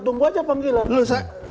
tunggu saja panggilan